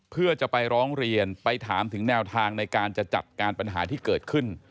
เพื่อจะไปร้องเรียนไปถามถึงแนวทางในการจะจัดการปัญหาที่เกิดขึ้น